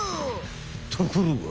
ところが。